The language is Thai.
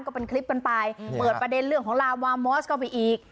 ก็เป็นคลิปกันไปเปิดประเด็นเรื่องของลาวามอสเข้าไปอีก